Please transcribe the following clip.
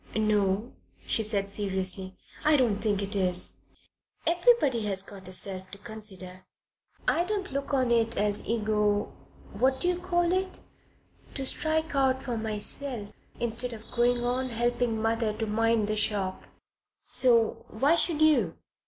"No," she said seriously. "I don't think it is. Everybody has got a self to consider. I don't look on it as ego what d' you call it to strike out for myself instead of going on helping mother to mind the shop. So why should you?"